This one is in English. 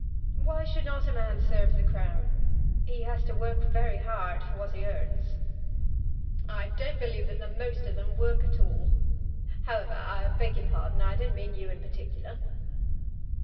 "Why should not a man serve the Crown? He has to work very hard for what he earns." "I don't believe that the most of them work at all. However, I beg your pardon. I didn't mean you in particular."